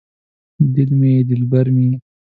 دل مې یې دلبر مې یې